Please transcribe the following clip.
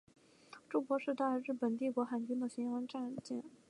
筑波是大日本帝国海军的巡洋战舰。